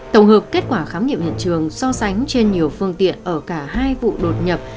tổng hợp kết quả khám nghiệm hiện trường so sánh trên nhiều phương tiện ở cả hai vụ đột nhập